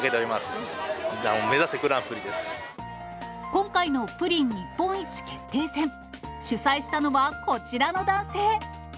今回のプリン日本一決定戦。主催したのはこちらの男性。